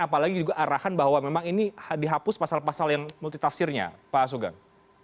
apalagi juga arahan bahwa memang ini dihapus pasal pasal yang multitafsirnya pak sugeng